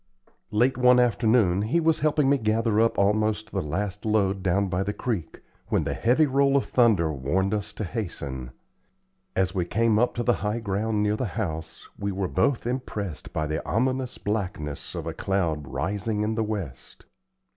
Late one afternoon, he was helping me gather up almost the last load down by the creek, when the heavy roll of thunder warned us to hasten. As we came up to the high ground near the house, we were both impressed by the ominous blackness of a cloud rising in the west.